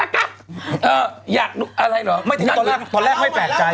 ก็อยากอะไรเหรอตอนแรกไม่แปลกใจ